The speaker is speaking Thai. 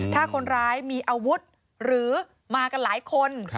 ถ้าคนร้ายมีอาวุธหรือมากันหลายคน